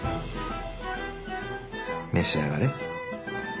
召し上がれ。